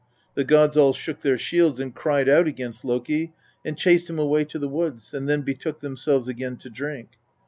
The gods all shook their shields and cried out against Loki, and chased him away to the woods, and then betook themselves again to drink.